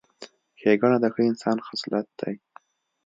ښېګڼه د ښه انسان خصلت دی.